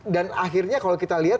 dan akhirnya kalau kita lihat